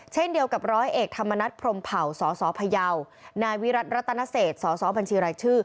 เช่นเดียวกับร้อยเอกธรรมนัฐพรมเผาสสพยนวิรัตนาเศษสสบช